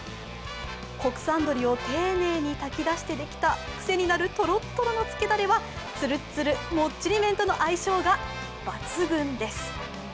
国産鶏を丁寧に炊きだしてできた癖になるとろっとろのつけだれはつるつるもっちり麺との相性が抜群です。